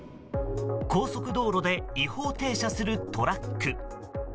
高速道路で違法停車するトラック。